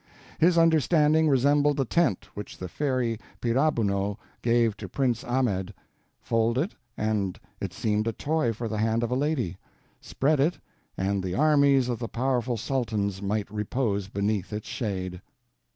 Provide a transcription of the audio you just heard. His understanding resembled the tent which the fairy Paribanou gave to Prince Ahmed: fold it, and it seemed a toy for the hand of a lady; spread it, and the armies of the powerful Sultans might repose beneath its shade.